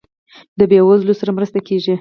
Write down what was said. د بیوزلو سره مرسته کیږي؟